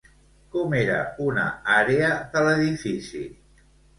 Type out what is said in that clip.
Com era una àrea de l'edifici?